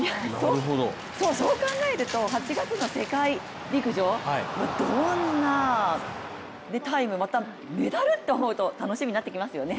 そう考えると、８月の世界陸上どんなタイム、またメダルって思うと楽しみになってきますよね。